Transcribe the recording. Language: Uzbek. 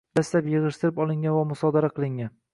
Dastlab yig‘ishtirib olingan va musodara qilingan